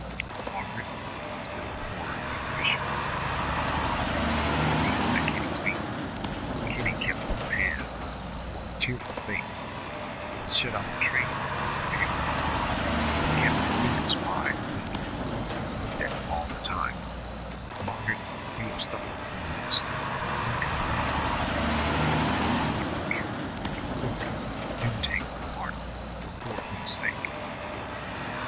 "Margaret," said the poor young fisherman, on his knees at Kitty's feet, while Kitty kept both her hands before her tearful face, to shut out the traitor from her view, but kept her fingers wide asunder and looked at him all the time, "Margaret, you have suffered so much, so uncomplainingly, and are always so careful and considerate! Do take my part, for poor Hugh's sake!"